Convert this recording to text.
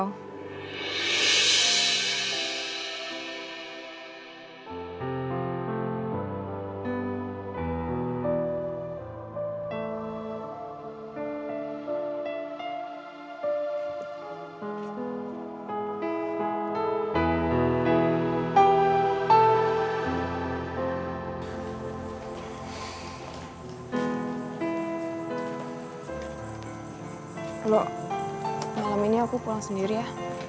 halo malam ini aku pulang sendiri ya